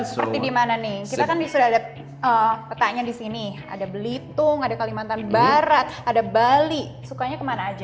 seperti di mana nih kita kan sudah ada petanya di sini ada belitung ada kalimantan barat ada bali sukanya kemana aja